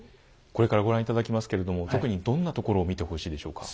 これからご覧いただきますけれども特にどんなところを見てほしいでしょうか？